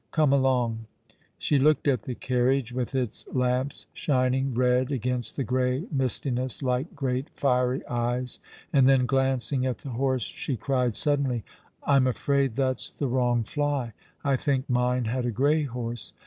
Come along." She looked at the carriage, with its lamps shining red against the grey mistiness like great fiery eyes, and then, glancing at the horse, she cried suddenly, " I'm afraid that's the wrong fly. I think mine had a grey horse."